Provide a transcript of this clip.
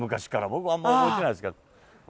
僕あんま覚えてないですけど。